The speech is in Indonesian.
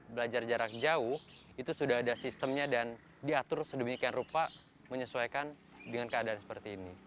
belajar jarak jauh itu sudah ada sistemnya dan diatur sedemikian rupa menyesuaikan dengan keadaan seperti ini